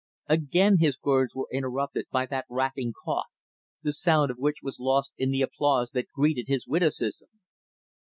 Again his words were interrupted by that racking cough, the sound of which was lost in the applause that greeted his witticism.